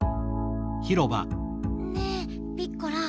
ねえピッコラ